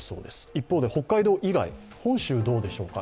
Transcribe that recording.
一方で、北海道以外、本州はどうでしょうか。